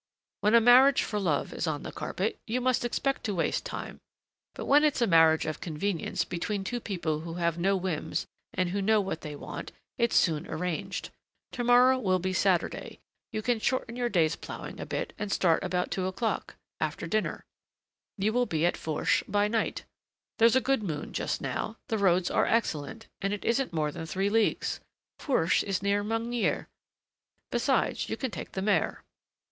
"When a marriage for love is on the carpet, you must expect to waste time; but when it's a marriage of convenience between two people who have no whims and who know what they want, it's soon arranged. Tomorrow will be Saturday; you can shorten your day's ploughing a bit and start about two o'clock, after dinner; you will be at Fourche by night; there's a good moon just now, the roads are excellent, and it isn't more than three leagues. Fourche is near Magnier. Besides, you can take the mare."